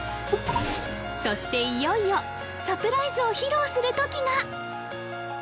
そしていよいよサプライズを披露するときが！